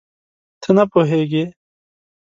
ته نه پوهېږې؟